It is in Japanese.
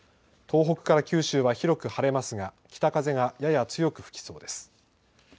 東北から九州は広く晴れますが北風がやや強く吹きそうです。